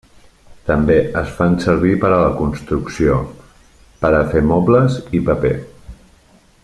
També es fan servir per a la construcció, per a fer mobles i paper.